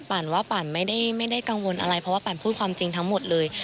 ว่าปันไม่ได้กังวลอะไรเพราะว่าปันพูดความจริงทั้งหมดเลย